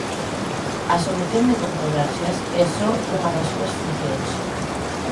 A solución de controversias é só unha das súas funcións.